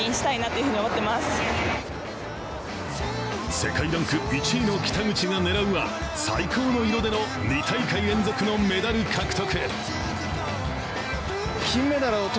世界ランク１位の北口が狙うは最高の色での２大会連続のメダル獲得。